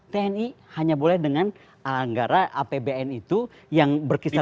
tni hanya boleh dengan anggara apbn itu yang berkisar